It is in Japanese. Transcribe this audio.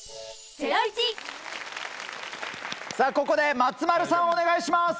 ここで松丸さん、お願いしま